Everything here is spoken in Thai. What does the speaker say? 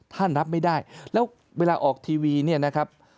รับไม่ได้แล้วเวลาออกทีวีเนี่ยนะครับ